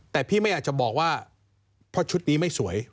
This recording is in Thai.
แต่พี่ไม่อยากจะบอกว่าเพราะชุดนี้ไม่สวย